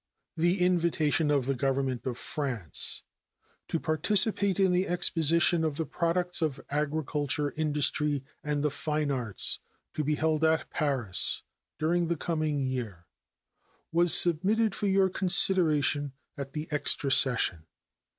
The invitation of the Government of France to participate in the Exposition of the Products of Agriculture, Industry, and the Fine Arts to be held at Paris during the coming year was submitted for your consideration at the extra session.